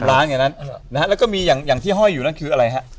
ล้านอย่างนั้นนะฮะแล้วก็มีอย่างที่ห้อยอยู่นั่นคืออะไรฮะ